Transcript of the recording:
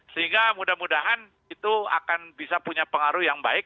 sehingga mudah mudahan itu akan bisa punya pengaruh yang baik